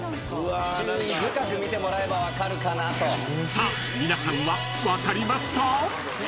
［さあ皆さんは分かりますか？］